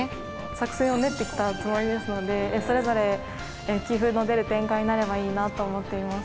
作戦を練ってきたつもりですのでそれぞれ棋風の出る展開になればいいなと思っています。